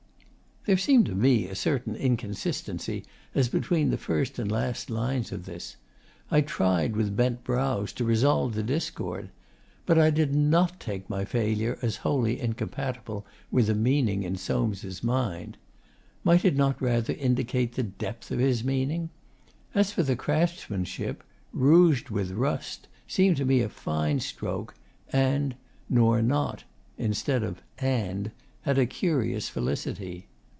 There seemed to me a certain inconsistency as between the first and last lines of this. I tried, with bent brows, to resolve the discord. But I did not take my failure as wholly incompatible with a meaning in Soames' mind. Might it not rather indicate the depth of his meaning? As for the craftsmanship, 'rouged with rust' seemed to me a fine stroke, and 'nor not' instead of 'and' had a curious felicity.